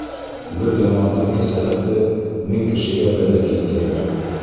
Бер ямандың кәсәфәте мең кешегә бәлә килтерер.